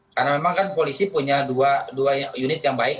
karena memang kan polisi punya dua unit yang baik